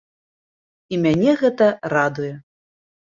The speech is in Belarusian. І мяне гэта радуе.